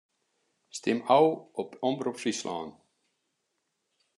Stim ôf op Omrop Fryslân.